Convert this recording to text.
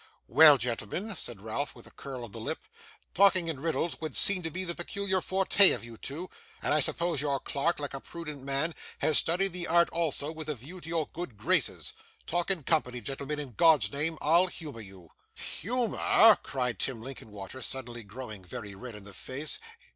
'Well, gentlemen,' said Ralph with a curl of the lip, 'talking in riddles would seem to be the peculiar forte of you two, and I suppose your clerk, like a prudent man, has studied the art also with a view to your good graces. Talk in company, gentlemen, in God's name. I'll humour you.' 'Humour!' cried Tim Linkinwater, suddenly growing very red in the face.